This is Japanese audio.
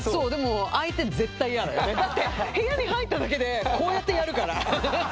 部屋に入っただけでこうやってやるから。